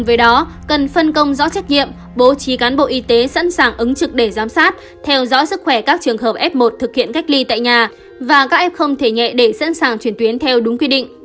với đó cần phân công rõ trách nhiệm bố trí cán bộ y tế sẵn sàng ứng trực để giám sát theo dõi sức khỏe các trường hợp f một thực hiện cách ly tại nhà và các f không thể nhẹ để sẵn sàng chuyển tuyến theo đúng quy định